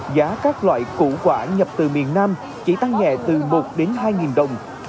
giá các loại củ quả nhập từ miền nam chỉ tăng nhẹ từ một đến hai đồng